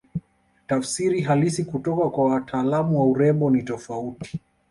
Tafsiri halisi kutoka kwa wataalamu wa urembo ni tofauti